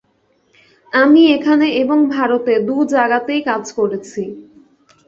আমি এখানে এবং ভারতে দু-জায়গাতেই কাজ করছি।